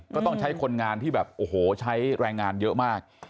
ก็ต้องใช้คนงานที่แบบโอ้โหใช้แรงงานเยอะมาก